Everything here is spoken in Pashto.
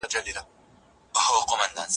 شمعي غوندي ټول خوله خوله سومه